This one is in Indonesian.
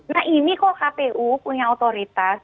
nah ini kok kpu punya otoritas